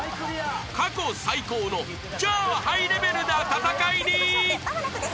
［過去最高の超ハイレベルな戦いに］